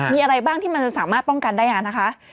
มีอะไรบ้างที่มันจะสามารถป้องกันได้นะคะ